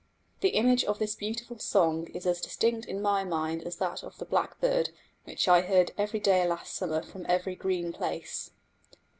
The image of this beautiful song is as distinct in my mind as that of the blackbird which I heard every day last summer from every green place.